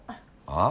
ああ。